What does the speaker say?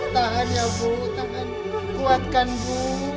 tahan ya bu kuatkan bu